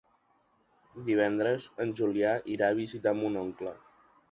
Divendres en Julià irà a visitar mon oncle.